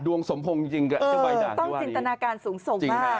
ดวงสมพงศ์จริงกับใบด่างที่วันนี้ต้องจินตนาการสูงสมมาก